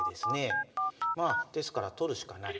まあですから取るしかない。